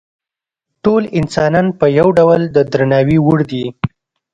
ټول انسانان په یو ډول د درناوي وړ دي.